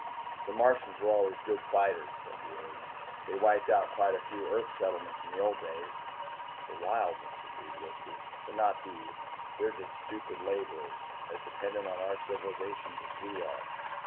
"The Martians always were good fighters," said Riordan. "They wiped out quite a few Earth settlements in the old days." "The wild ones," agreed Wisby. "But not these. They're just stupid laborers, as dependent on our civilization as we are.